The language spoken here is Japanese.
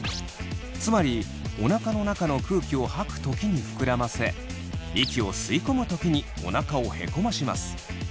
つまりおなかの中の空気を吐く時に膨らませ息を吸い込む時におなかをへこまします。